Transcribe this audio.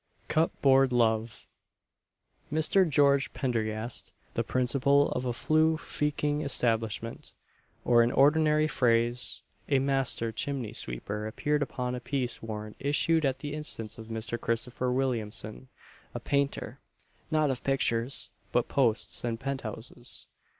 CUPBOARD LOVE. Mr. George Pendergast, the principal of a flue feaking establishment or, in ordinary phrase, a master chimney sweeper appeared upon a peace warrant issued at the instance of Mr. Christopher Williamson, a painter not of pictures, but posts and penthouses.